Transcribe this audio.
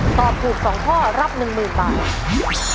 ตอบถูก๒ข้อรับ๑๐๐๐บาท